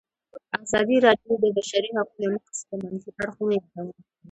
ازادي راډیو د د بشري حقونو نقض د منفي اړخونو یادونه کړې.